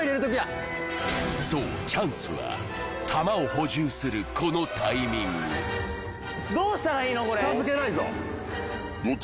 そうチャンスは弾を補充するこのタイミングどっちがいくのかな